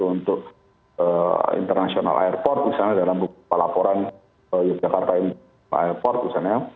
untuk international airport misalnya dalam beberapa laporan yogyakarta international airport misalnya